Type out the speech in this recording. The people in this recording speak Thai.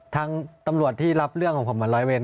ทางตำรวจที่รับเรื่องของผมมาร้อยเวน